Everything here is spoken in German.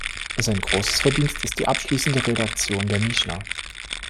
Sein großes Verdienst ist die abschließende Redaktion der Mischna.